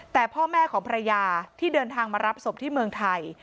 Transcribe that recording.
แต่พ่อแม่ของภรรยาที่เดินทางมารับศพที่เมืองไทย